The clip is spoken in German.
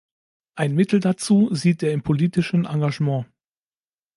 Ein Mittel dazu sieht er im politischen Engagement.